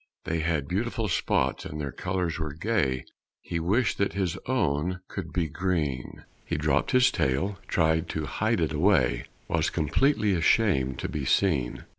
They had beautiful spots and their colors were gay He wished that his own could be green; He dropped his tail, tried to hide it away; Was completely ashamed to be seen.